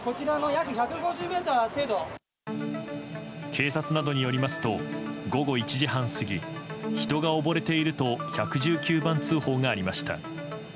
警察などによりますと午後１時半過ぎ人が溺れていると１１９番通報がありました。